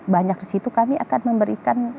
banyak disitu kami akan memberikan